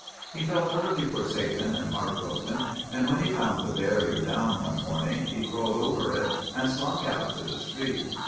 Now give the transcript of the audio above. He felt ut terly forsaken and heart broken, and when he found the barrier down one morning he crawled over it and slunk out to the street.